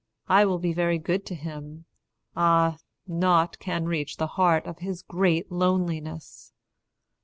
I will be very good to him ah, nought Can reach the heart of his great loneliness!